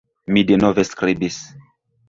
Mi denove skribis.